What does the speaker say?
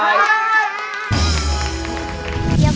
เออ